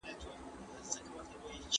که کيسه سمه تحلیل سي پیغام به یې روښانه سي.